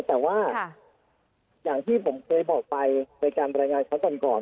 แต่ว่าอย่างที่ผมเคยบอกไปในการรายงานเขาก่อน